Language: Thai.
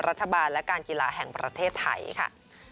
รัฐบาลและการกีฬาแห่งประเทศไทยค่ะ